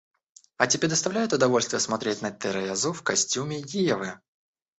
А тебе доставляет удовольствие смотреть на Терезу в костюме Евы...